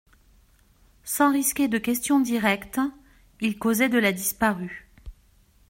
Sans risquer de questions directes, il causait de la disparue.